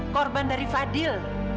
korban dari fadil